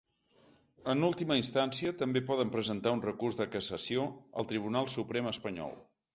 En última instància, també poden presentar un recurs de cassació al Tribunal Suprem espanyol.